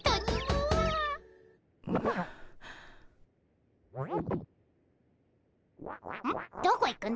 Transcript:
うん？